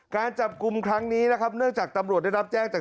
การจับกลุ่มครั้งนี้นะครับเนื่องจากตำรวจได้รับแจ้งจาก